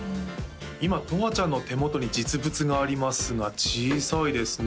今とわちゃんの手元に実物がありますが小さいですね